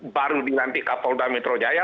baru dinanti kapolri metro jaya